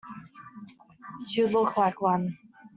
You look like one.